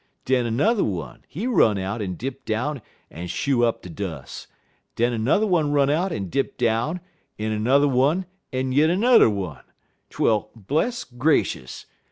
Den 'n'er one, he run out en dip down en shoo up de dus'; den 'n'er one run out en dip down, en 'n'er one en yit 'n'er one, twel, bless gracious!